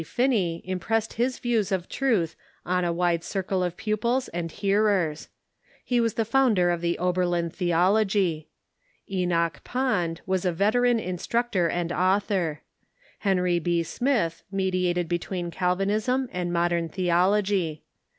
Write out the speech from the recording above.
Finney impressed his views of truth on a wide circle of pupils and hearers. He was the founder of the Oberlin theology. Enoch Pond Avas a veteran instructor and autlior. Henry B. Smith mediated between Calvinism and modern theology.